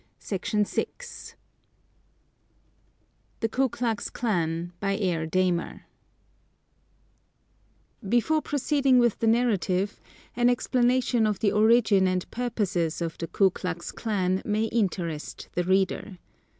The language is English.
CHAPTER TWELVE THE KU KLUX KLAN Before proceeding with the narrative, an explanation of the origin and purposes of the Ku Klux Klan may interest the reader.